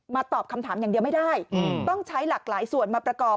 ตอบคำถามอย่างเดียวไม่ได้ต้องใช้หลากหลายส่วนมาประกอบ